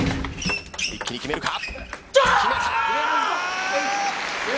一気に決めるか。